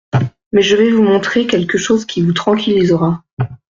Mais je vais vous montrer quelque chose qui vous tranquillisera.